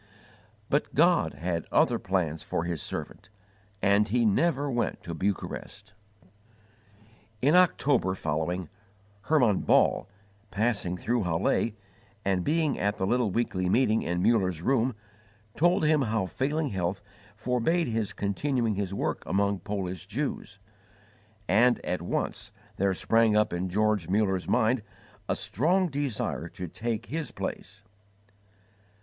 But God had other plans for His servant, and he never went to Bucharest. In October following, Hermann Ball, passing through Halle, and being at the little weekly meeting in Muller's room, told him how failing health forbade his continuing his work among Polish Jews; and at once there sprang up in George Muller's mind a strong desire to take his place.